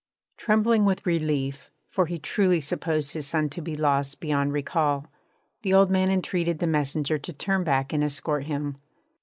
Trembling with relief for he truly supposed his son to be lost beyond recall the old man entreated the messenger to turn back and escort him.